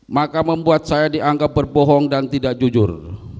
maka membuat saya dianggap berbohong dan tidak jujur